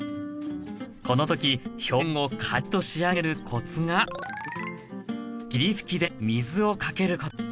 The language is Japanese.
この時表面をカリッと仕上げるコツが霧吹きで水をかけること。